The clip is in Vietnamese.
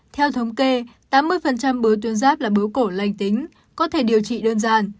theo thống kê tám mươi bướu tuyến giáp là bướu cổ lanh tính có thể điều trị đơn giản